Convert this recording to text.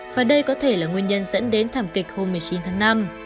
và đây có thể là nguyên nhân dẫn đến thảm kịch hôm một mươi chín tháng năm